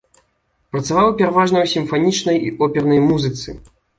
Працаваў пераважна ў сімфанічнай і опернай музыцы.